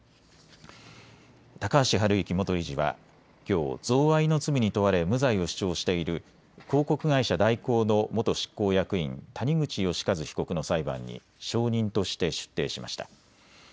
高橋治之元理事はきょう贈賄の罪に問われ無罪を主張している広告会社、大広の元執行役員、谷口義一被告の裁判に証人として出廷しました。